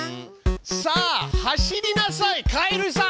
さあ走りなさいカエルさん！